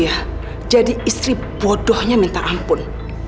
iya jadi istri bodohnya minta ampun